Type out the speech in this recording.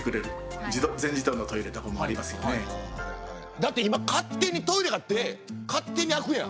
だって今勝手にトイレだって勝手に開くやん。